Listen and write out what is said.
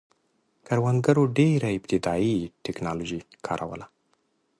کروندګرو ډېره ابتدايي ټکنالوژي کاروله